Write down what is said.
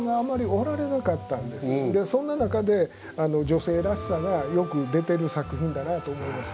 そんな中で女性らしさがよく出てる作品だなと思います。